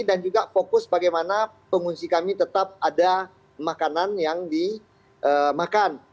dan juga fokus bagaimana pengungsi kami tetap ada makanan yang dimakan